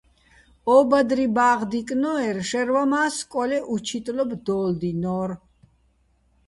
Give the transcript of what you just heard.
ო ბადრი ბა́ღ დიკნო́ერ, შაჲრვაჼ მა́ სკო́ლე უჩიტლობ დო́ლდინორ.